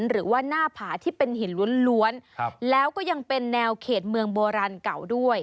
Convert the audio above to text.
หรือว่าหน้าผาที่เป็นหินล้วนแล้วก็ยังเป็นแนวเขตเมืองโบราณเก่าด้วย